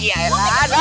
eh mau pergi ke sini